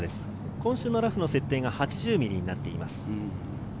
今週のラフの設定が８０ｍｍになっています。